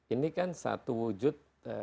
ini kan satu wujud